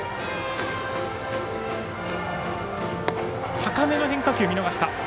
高めの変化球を見逃した。